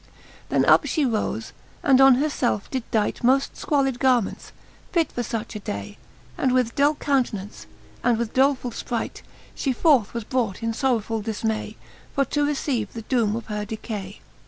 Then up flie roie, and on herfelfe^did dight Moft Iqualid garments, fit for fach a day, And with dull countenance, and with dolefull fpright, She forth was brought in fbrrowfuil diCnay, For to receive the doome of her decay.